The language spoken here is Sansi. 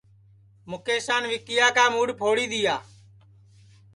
مُکیسان وکیا کا مُوڈؔ پھوڑی دؔیا